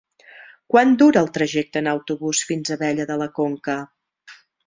Quant dura el trajecte en autobús fins a Abella de la Conca?